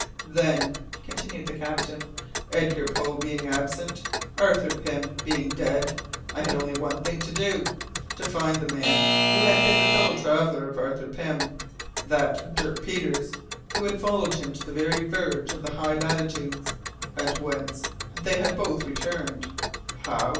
"Then," continued the captain, "Edgar Poe being absent, Arthur Pym being dead, I had only one thing to do; to find the man who had been the fellow traveller of Arthur Pym, that Dirk Peters who had followed him to the very verge of the high latitudes, and whence they had both returned how?